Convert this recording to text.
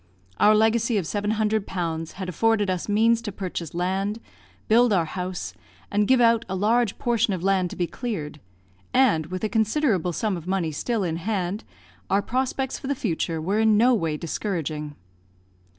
Our legacy of 700 pounds had afforded us means to purchase land, build our house, and give out a large portion of land to be cleared, and, with a considerable sum of money still in hand, our prospects for the future were in no way discouraging.